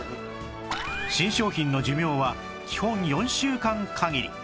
新商品の寿命は基本４週間限り